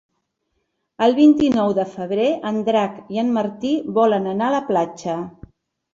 El vint-i-nou de febrer en Drac i en Martí volen anar a la platja.